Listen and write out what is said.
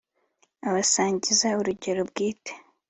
Abasangiza urugero bwite